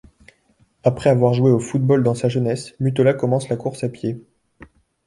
Après avoir joué au football dans sa jeunesse, Mutola commence la course à pied.